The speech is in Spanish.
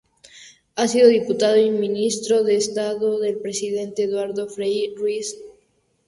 Ha sido diputado y ministro de Estado del presidente Eduardo Frei Ruiz-Tagle.